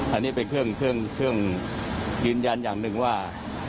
อันนี้เป็นเครื่องยืนยันอย่างหนึ่งว่า